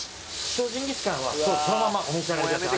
塩ジンギスカンはそのままお召し上がりください